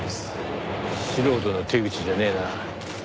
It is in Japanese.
素人の手口じゃねえな。